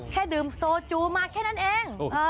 แค่ดื่มโซจูมาแค่นั้นเอง